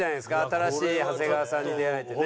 新しい長谷川さんに出会えてね。